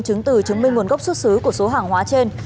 chứng từ chứng minh nguồn gốc xuất xứ của số hàng hóa trên